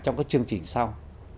trong các chương trình sau